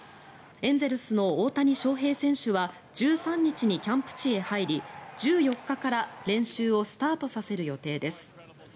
エンゼルスの大谷翔平選手は１３日にキャンプ地へ入り１４日から練習をスタートさせる予定です。